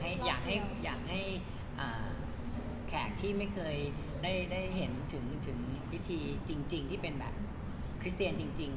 อยากให้แขกที่ไม่เคยได้เห็นถึงพิธีจริงที่เป็นแบบคริสเตียนจริง